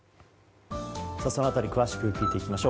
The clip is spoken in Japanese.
その辺り詳しく見ていきましょう。